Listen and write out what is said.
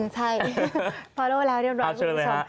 เชอเลยครับ